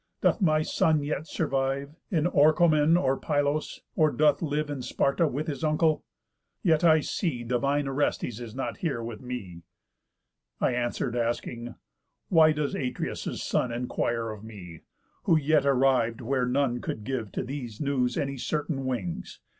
Doth my son yet survive, In Orchomen, or Pylos? Or doth live In Sparta with his uncle? Yet I see Divine Orestes is not here with me.' I answer'd, asking: 'Why doth Atreus' son Enquire of me, who yet arriv'd where none Could give to these news any certain wings?